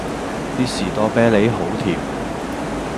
D 士多啤利好甜